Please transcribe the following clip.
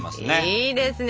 いいですね。